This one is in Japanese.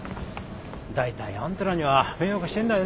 大体あんたらには迷惑してんだよね